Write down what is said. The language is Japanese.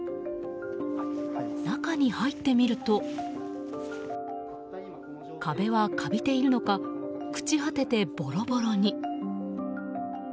中に入ってみると壁はカビているのか朽ち果ててボロボロに。